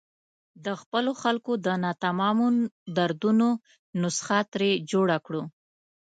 د خپلو خلکو د ناتمامو دردونو نسخه ترې جوړه کړو.